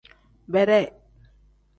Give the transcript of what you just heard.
Bedee.